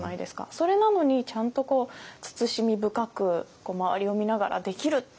それなのにちゃんと慎み深く周りを見ながらできるっていうのが。